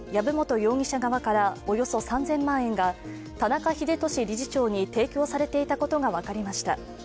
容疑者からおよそ３０００万円が、田中英寿理事長に提供されていたことが分かりました。